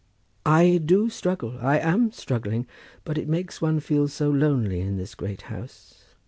"I do struggle. I am struggling. But it makes one feel so lonely in this great house.